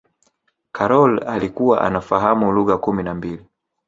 karol alikuwa anafahamu lugha kumi na mbili